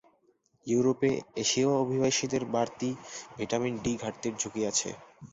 ইউরোপে এশীয় অভিবাসীদের বাড়তি ভিটামিন ডি ঘাটতির ঝুঁকি আছে।